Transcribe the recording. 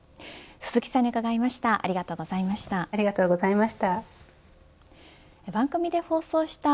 鈴木さんに伺いました。